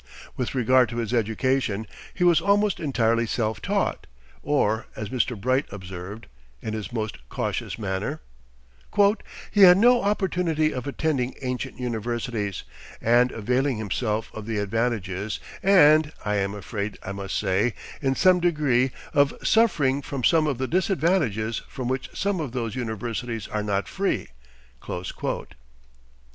With regard to his education, he was almost entirely self taught, or, as Mr. Bright observed, in his most cautious manner: "He had no opportunity of attending ancient universities, and availing himself of the advantages, and, I am afraid I must say, in some degree, of suffering from some of the disadvantages, from which some of those universities are not free."